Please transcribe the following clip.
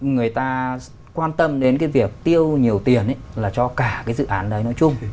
người ta quan tâm đến cái việc tiêu nhiều tiền là cho cả cái dự án đấy nói chung